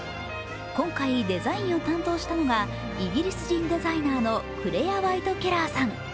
今回デザインを担当したのがイギリス人デザイナーのクレア・ワイト・ケラーさん。